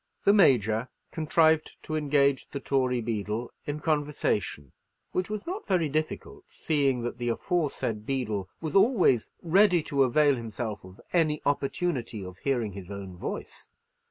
The Major contrived to engage the Tory beadle in conversation, which was not very difficult, seeing that the aforesaid beadle was always ready to avail himself of any opportunity of hearing his own voice.